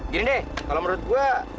gini deh kalau menurut gue